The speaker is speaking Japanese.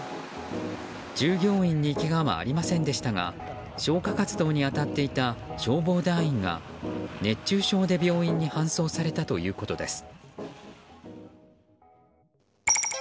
従業員にけがはありませんでしたが消火活動に当たっていた消防団員が熱中症で病院に搬送されたということです。